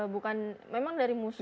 bukan memang dari musuh